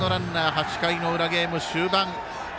８回の裏、ゲーム終盤。